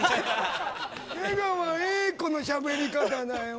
瀬川瑛子のしゃべり方だよ。